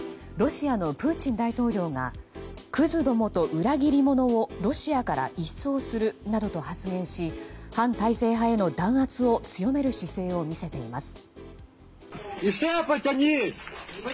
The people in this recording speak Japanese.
ロシアのプーチン大統領がくずどもと裏切り者をロシアから一掃するなどと発言し反体制派への弾圧を強める姿勢を見せています。